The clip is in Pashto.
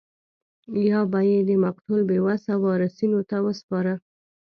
یا به یې د مقتول بې وسه وارثینو ته ورسپاره.